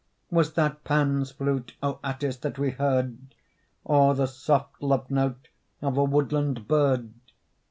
Was that Pan's flute, O Atthis, that we heard, Or the soft love note of a woodland bird?